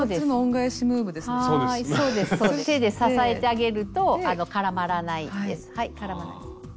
手で支えてあげると絡まらないです。